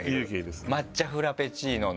「抹茶フラペチーノ」の。